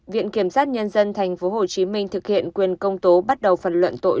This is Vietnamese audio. viện kiểm sát nhân dân tp hcm thực hiện quyền công tố bắt đầu phần luận tội